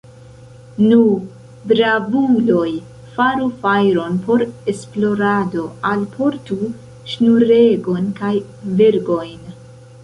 Nu, bravuloj, faru fajron por esplorado, alportu ŝnuregon kaj vergojn!